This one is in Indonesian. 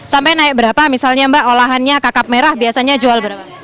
sampai naik berapa misalnya mbak olahannya kakap merah biasanya jual berapa